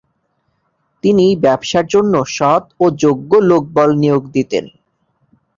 তিনি ব্যবসার জন্য সৎ ও যোগ্য লোকবল নিয়োগ দিতেন।